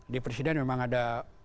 di presiden memang ada